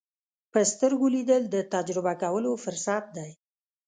په سترګو لیدل د تجربه کولو فرصت دی